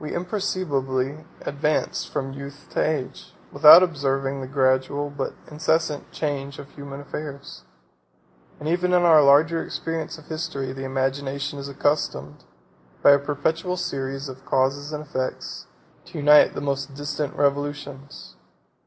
We imperceptibly advance from youth to age, without observing the gradual, but incessant, change of human affairs; and even in our larger experience of history, the imagination is accustomed, by a perpetual series of causes and effects, to unite the most distant revolutions.